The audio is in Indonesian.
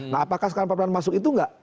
nah apakah sekarang peradilan masuk itu enggak